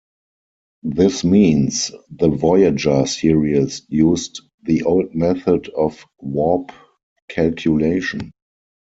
This means the "Voyager" series used the old method of Warp calculation.